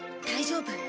大丈夫。